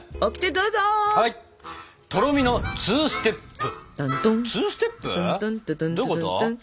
どういうこと？